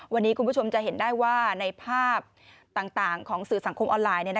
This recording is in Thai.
วันนี้คุณผู้ชมจะเห็นได้ว่าในภาพต่างของสื่อสังคมออนไลน์